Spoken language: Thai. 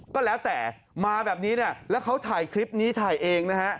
ก็แล้วแต่มาแบบนี้เนี่ยแล้วเขาถ่ายคลิปนี้ถ่ายเองนะฮะ